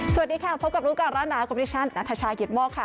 สวัสดีค่ะพบกับรู้ก่อนร้อนหนาวกับดิฉันนัทชายกิตโมกค่ะ